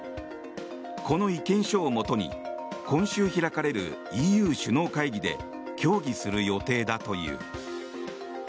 この意見書をもとに今週開かれるＥＵ首脳会議で協議する予定だという。